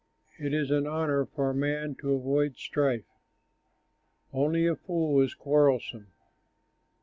It is an honor for a man to avoid strife; Only a fool is quarrelsome.